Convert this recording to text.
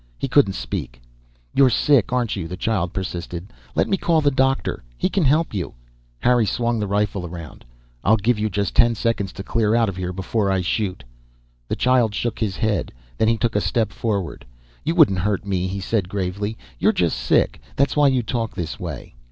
He couldn't speak. "You're sick, aren't you?" the child persisted. "Let me call the doctor. He can help you." Harry swung the rifle around. "I'll give you just ten seconds to clear out of here before I shoot." The child shook his head. Then he took a step forward. "You wouldn't hurt me," he said, gravely. "You're just sick. That's why you talk this way."